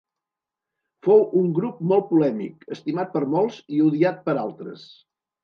Fou un grup molt polèmic, estimat per molts i odiat per altres.